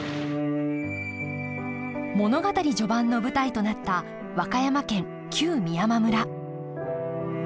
物語序盤の舞台となった和歌山県旧美山村。